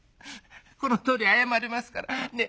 このとおり謝りますからねえ